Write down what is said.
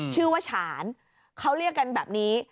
ชื่อว่าฉานเขาเรียกกันแบบนี้